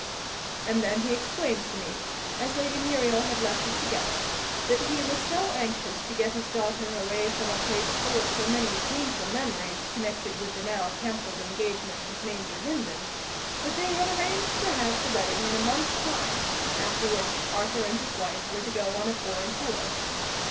And then he explained to me as Lady Muriel had left us together that he was so anxious to get his daughter away from a place full of so many painful memories connected with the now canceled engagement with Major Lindon, that they had arranged to have the wedding in a month's time, after which Arthur and his wife were to go on a foreign tour.